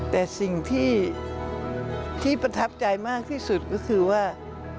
แต่สิ่งที่ประทับใจมากที่สุดก็คือว่า